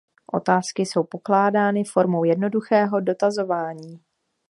Otázky jsou pokládány formou jednoduchého dotazování.